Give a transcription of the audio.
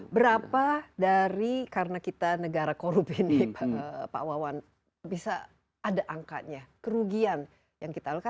berapa dari karena kita negara korup ini pak wawan bisa ada angkanya kerugian yang kita lakukan